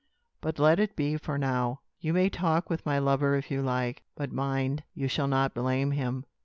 But let it be for now. You may talk with my lover if you like; but mind, you shall not blame him.